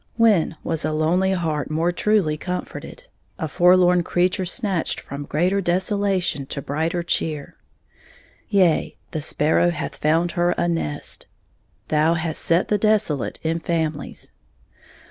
When was a lonely heart more truly comforted, a forlorn creature snatched from greater desolation to brighter cheer? "Yea, the sparrow hath found her a nest", "Thou has set the desolate in families".